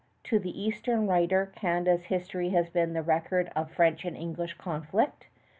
To the eastern writer, Canada's history has been the record of French and English conflict.